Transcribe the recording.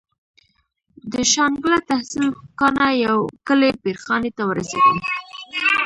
د شانګله تحصيل کاڼه يو کلي پير خاني ته ورسېدم.